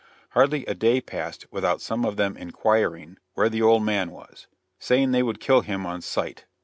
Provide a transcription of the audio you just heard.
Hardly a day passed without some of them inquiring "where the old man was," saying they would kill him on sight.